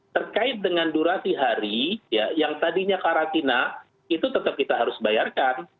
terkait dengan durasi hari yang tadinya karantina itu tetap kita harus bayarkan